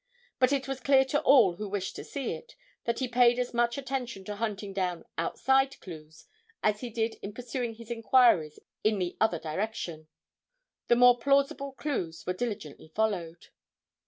But it was clear to all who wished to see it, that he paid as much attention to hunting down "outside clues" as he did in pursuing his inquiries in the other direction. The more plausible clues were diligently followed.